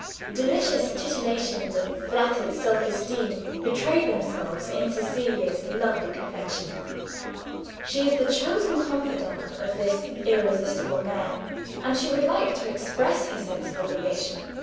Delicious titillations of flattered self esteem betray themselves in Cecilia's lovely complexion. She is the chosen confidante of this irresistible man; and she would like to express her sense of obligation.